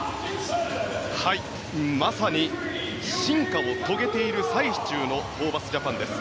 まさに進化を遂げている最中のホーバスジャパンです。